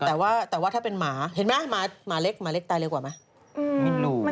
เออแต่ว่าถ้าเป็นหมาเห็นไหมหมาเล็กตายเร็วกว่าไหม